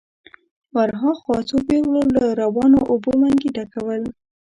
ور هاخوا څو پېغلو له روانو اوبو منګي ډکول.